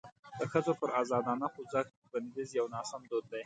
د ښځو پر ازادانه خوځښت بندیز یو ناسم دود دی.